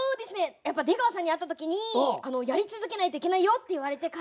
やっぱ出川さんに会ったときに「やり続けないといけないよ」って言われてから。